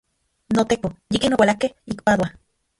NoTeko, yikin oualakej ik Padua.